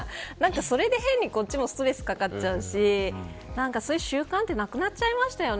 それで変にこっちもストレスかかっちゃうしそういう習慣ってなくなっちゃいましたよね。